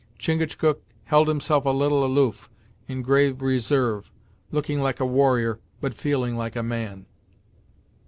Chingachgook held himself a little aloof, in grave reserve, looking like a warrior, but feeling like a man.